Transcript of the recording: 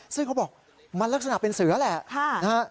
ซึ่งเขาบอกมันลักษณะเป็นเสือแหละนะฮะ